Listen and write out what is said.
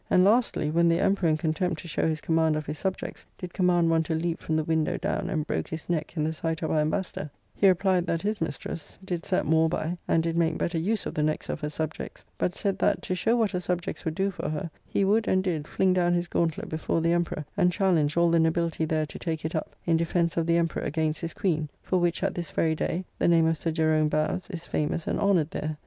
And lastly, when the Emperor in contempt, to show his command of his subjects, did command one to leap from the window down and broke his neck in the sight of our Embassador, he replied that his mistress did set more by, and did make better use of the necks of her subjects but said that, to show what her subjects would do for her, he would, and did, fling down his gantlett before the Emperor; and challenged all the nobility there to take it up, in defence of the Emperor against his Queen: for which, at this very day, the name of Sir Jerom Bowes is famous and honoured there.